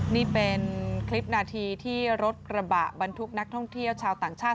นี่เป็นคลิปนาทีที่รถกระบะบรรทุกนักท่องเที่ยวชาวต่างชาติ